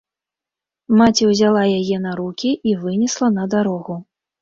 Маці ўзяла яе на рукі і вынесла на дарогу.